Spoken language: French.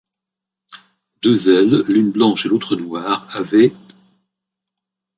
Deux ailes, l’une blanche et l’autre noire, avait